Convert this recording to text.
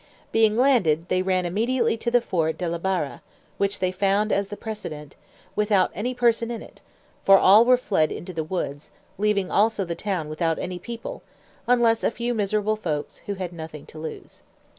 Being landed, they ran immediately to the fort De la Barra, which they found as the precedent, without any person in it, for all were fled into the woods, leaving also the town without any people, unless a few miserable folks, who had nothing to lose.